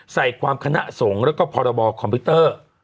ใส่ความคณะสงฆ์แล้วก็พรบคอมพิวเตอร์